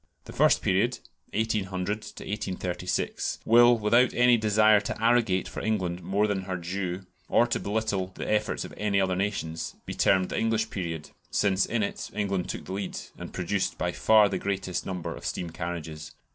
The first period (1800 1836), will, without any desire to arrogate for England more than her due or to belittle the efforts of any other nations, be termed the English period, since in it England took the lead, and produced by far the greatest number of steam carriages.